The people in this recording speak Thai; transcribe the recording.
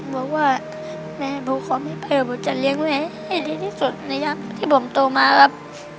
บอกว่าแม่บูขอให้เผยบุจจัดเลี้ยงแม่ให้ดีที่สุดในยามที่ผมโตมาครับ